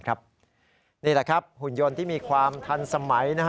นี่แหละครับหุ่นยนต์ที่มีความทันสมัย